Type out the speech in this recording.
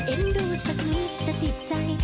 เอ็นดูสักนิดจะติดใจ